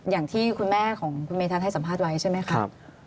อย่างที่คุณแม่ของคุณเมธัศนให้สัมภาษณ์ไว้ใช่ไหมครับ